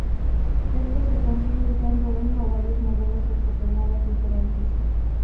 Esto se consigue usando uno o varios modelos de coordenadas diferentes.